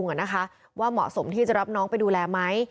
คุณลุงอ่ะนะคะว่าเหมาะสมที่จะรับน้องไปดูแลไหม